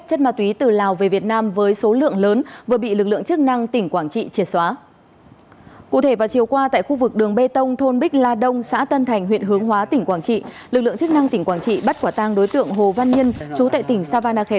hãy đăng ký kênh để ủng hộ kênh của chúng mình nhé